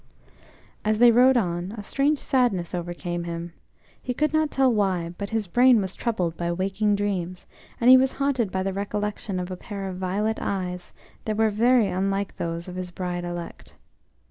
S they rode on, a strange sadness overcame him. He could not tell why, but his brain was troubled by waking dreams, and he was haunted by the recollection of a pair of violet eyes that were very unlike those of his bride elect.